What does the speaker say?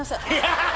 ハハハハ！